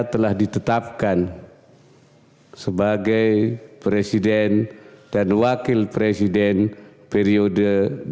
telah ditetapkan sebagai presiden dan wakil presiden periode dua ribu sembilan belas dua ribu dua puluh empat